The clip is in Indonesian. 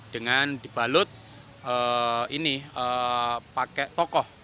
dengan dibalut ini pakai tokoh